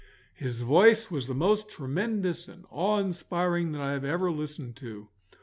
His voice was the most tremendous and awe inspiring that I have ever listened to.